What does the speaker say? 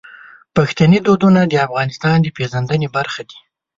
پښتني دودونه د افغانستان د پیژندنې برخه دي.